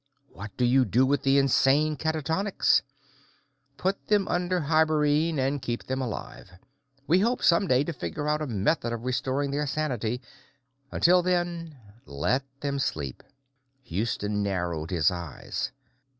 "What do you do with the insane catatonics?" "Put them under hibernene and keep them alive. We hope, someday, to figure out a method of restoring their sanity. Until then, let them sleep." Houston narrowed his eyes.